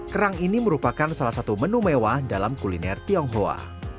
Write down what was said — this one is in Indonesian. kerang ini merupakan salah satu menu mewah dalam kuliner tionghoa